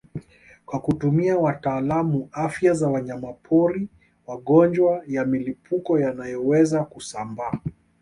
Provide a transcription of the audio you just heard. Kwa kutumia watalaamu afya za wanyamapori magonjwa ya mlipuko yanayoweza kusambaa